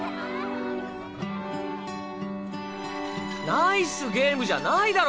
ナイスゲームじゃないだろ！